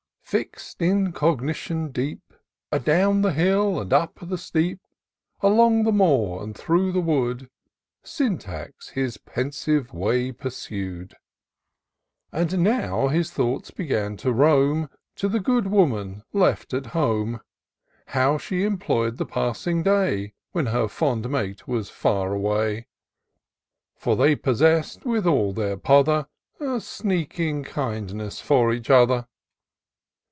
IllXED in cogitation deep, Adown the hill and up the steep, Along the moor and through the wood, Syntax his pensive way pursu'd ; And now his thoughts began to roam To the good woman left at home ; How she employ'd the passing day. When her fond mate was far away : For they possess'd, with all their pother, A sneaking kindness for each other.